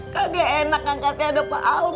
kagak enak angkat angkat ada pak albert